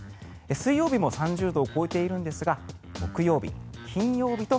水曜日も３０度を超えているんですが木曜日、金曜日と